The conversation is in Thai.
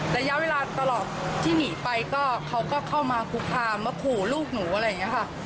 ระยะเวลาตลอดที่หนีไปก็เขาก็เข้ามาคุกคามมาขู่ลูกหนูอะไรอย่างนี้ค่ะ